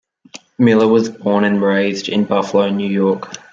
Miller was born and raised in Buffalo, New York.